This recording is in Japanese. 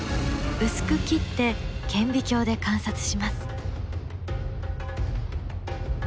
薄く切って顕微鏡で観察します。